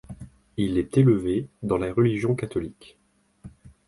Il est élevé dans la religion catholique.